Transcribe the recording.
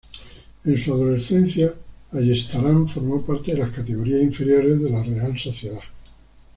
En su adolescencia, Ayestarán formó parte de las categorías inferiores de la Real Sociedad.